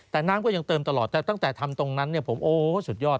แต่น้ำก็ยังเติมตลอดแต่ตั้งแต่ทำตรงนั้นเนี่ยผมโอ้สุดยอด